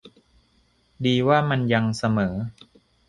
ดีว่ามันยังเสมอ